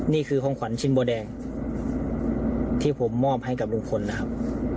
นี่คือของขวัญชิ้นโบแดงที่ผมมอบให้กับลุงพลนะครับ